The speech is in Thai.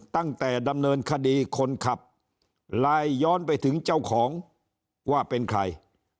ดำเนินคดีคนขับไลน์ย้อนไปถึงเจ้าของว่าเป็นใคร